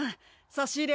さし入れ